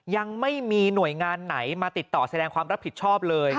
ยังไม่มีหน่วยงานไหนมาติดต่อแสดงความรับผิดชอบเลย